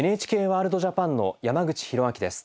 「ＮＨＫワールドＪＡＰＡＮ」の山口寛明です。